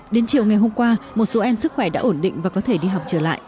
đến chiều ngày hôm qua một số em sức khỏe đã ổn định và có thể đi học trở lại